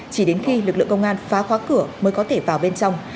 chỉ đến khi lực lượng công an phá khóa cửa mới có thể vào bên trong